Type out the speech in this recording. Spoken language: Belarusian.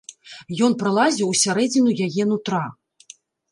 Ён пралазіў у сярэдзіну яе нутра.